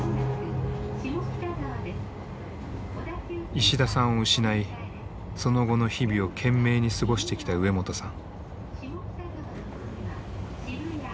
石田さんを失いその後の日々を懸命に過ごしてきた植本さん。